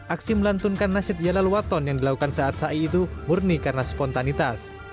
aksi melantunkan nasib yalal waton yang dilakukan saat sa'i itu murni karena spontanitas